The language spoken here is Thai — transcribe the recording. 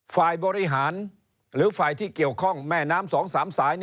ฝ่ายบริหารหรือฝ่ายที่เกี่ยวข้องแม่น้ำ๒๓สาย